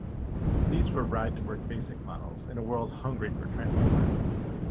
These were ride-to-work basic models, in a world hungry for transport.